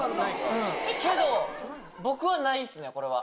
僕はないっすねこれは。